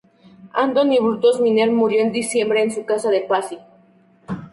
Antoine Brutus Menier murió en diciembre en su casa de Passy.